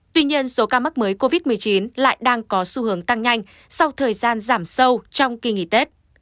tuy nhiên số ca mắc mới covid một mươi chín lại đang có xu hướng tăng nhanh sau thời gian giảm sâu trong kỳ nghỉ tết